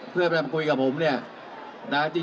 เพื่อมาคุยกับผมเนี่ยนะ